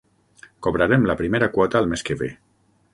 Cobrarem la primera quota el mes que ve.